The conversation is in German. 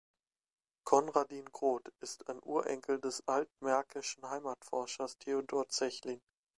Konradin Groth ist ein Urenkel des altmärkischen Heimatforschers Theodor Zechlin.